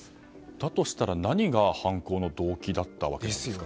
だとしたら何が犯行の動機だったんでしょうか。